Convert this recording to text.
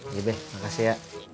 nih be makasih ya